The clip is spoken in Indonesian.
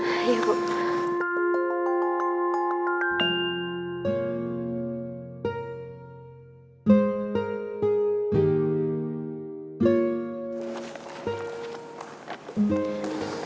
sampai jumpa lagi